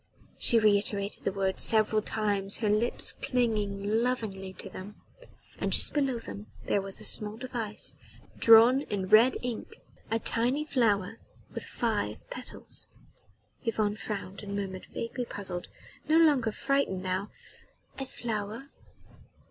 She reiterated the words several times, her lips clinging lovingly to them and just below them there was a small device, drawn in red ink ... a tiny flower with five petals.... Yvonne frowned and murmured, vaguely puzzled no longer frightened now: "A flower